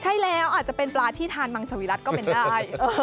ใช่แล้วอาจจะเป็นปลาที่ทานมังสวิรัติก็เป็นได้